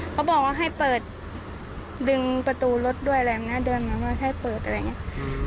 เขาบอกว่าให้เปิดดึงประตูรถด้วยอะไรแบบนี้เดินมาว่าให้เปิดอะไรอย่างนี้